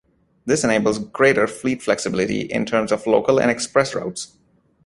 This enables greater fleet flexibility in terms of local and express routes.